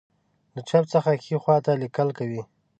له چپ څخه ښی خواته لیکل کوي.